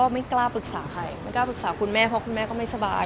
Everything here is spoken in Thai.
มันกล้าปรึกษาคุณแม่เพราะคุณแม่ก็ไม่สบาย